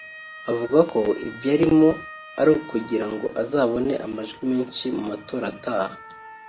avuga ko ibyo arimo ari ukugirango azabone amajwi menshi mu matora ataha